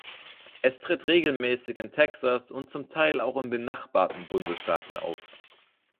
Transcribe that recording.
Es tritt regelmäßig in Texas und zum Teil auch in benachbarten Bundesstaaten auf.